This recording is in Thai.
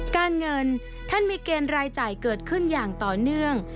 การเงินท่านมีเกณฑ์รายจ่ายเกิดขึ้นอย่างต่อเนื่อง